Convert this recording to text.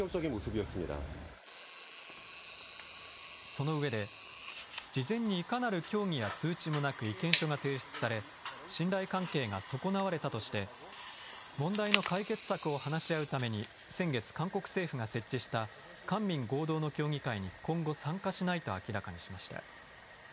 そのうえで、事前にいかなる協議や通知もなく意見書が提出され信頼関係が損なわれたとして問題の解決策を話し合うために先月、韓国政府が設置した官民合同の協議会に今後、参加しないと明らかにしました。